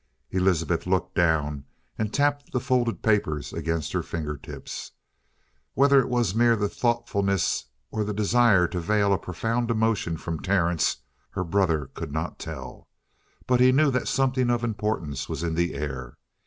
Elizabeth looked down and tapped the folded paper against her fingertips. Whether it was mere thoughtfulness or a desire to veil a profound emotion from Terence, her brother could not tell. But he knew that something of importance was in the air.